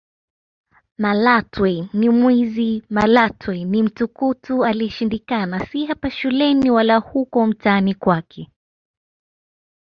Malatwe ni mwizi Malatwe ni mtukutu aliyeshindikana si hapa shuleni wala huko mtaani kwake